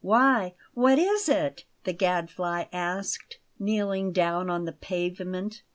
"Why, what is it?" the Gadfly asked, kneeling down on the pavement.